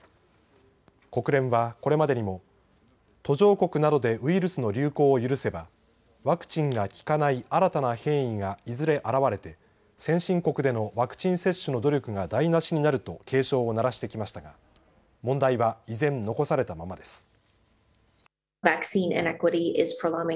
国連はこれまでにも途上国などでウイルスの流行を許せばワクチンが効かない新たな変異がいずれ現れて先進国でのワクチン接種の努力が台なしになると警鐘を鳴らしてきましたが問題は依然、残されたままです。